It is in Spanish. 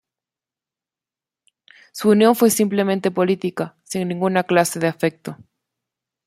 Su unión fue simplemente política sin ninguna clase de afecto.